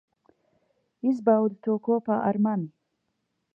Izbaudi to kopā ar mani.